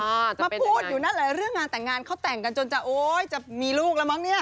มาพูดอยู่นั่นหรืออะไรเรื่องงานแต่งงานเขาแต่งกันจนจะโอ๊ยจะมีลูกละม้องนี่นะ